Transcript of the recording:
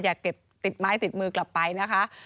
อย่าเก็บติดไม้ติดมือกลับไปนะคะ